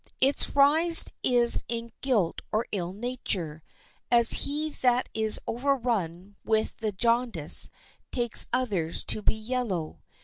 Its rise is in guilt or ill nature; as he that is overrun with the jaundice takes others to be yellow.